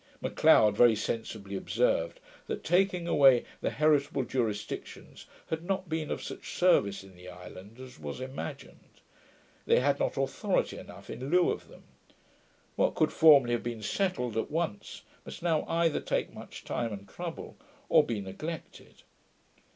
Macleod very sensibly observed, that taking away the heritable jurisdictions had not been of such service in the islands, as was imagined. They had not authority enough in lieu of them. What could formerly have been settled at once, must now either take much time and trouble, or be neglected.